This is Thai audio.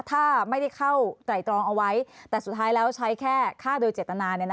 ถ้าไม่ได้เข้าไตรตรองเอาไว้แต่สุดท้ายแล้วใช้แค่ฆ่าโดยเจตนา